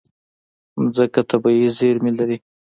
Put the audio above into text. مځکه طبیعي زیرمې لري.